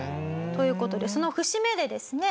という事でその節目でですね